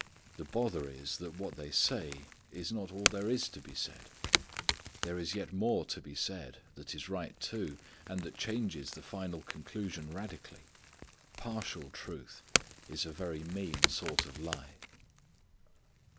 The bother is that what they say is not all there is to be said. There is yet more to be said, that is right too, and that changes the final conclusion radically. Partial truth is a very mean sort of lie.